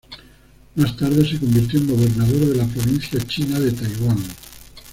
Más tarde se convirtió en gobernador de la provincia china de Taiwán.